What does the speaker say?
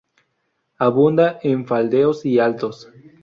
Abunda en faldeos y altos.